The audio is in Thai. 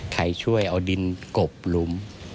ไข่ช่วยเอัดดินโกบหลุม